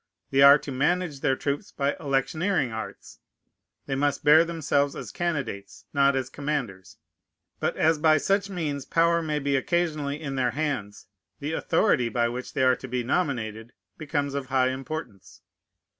They are to manage their troops by electioneering arts. They must bear themselves as candidates, not as commanders. But as by such means power may be occasionally in their hands, the authority by which they are to be nominated becomes of high importance.